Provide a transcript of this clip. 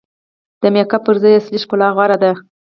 د میک اپ پر ځای اصلي ښکلا غوره ده.